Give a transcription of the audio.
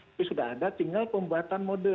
itu sudah ada tinggal pembuatan mode